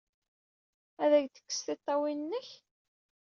Ad ak-d-tekkes tiṭṭawin-nnek!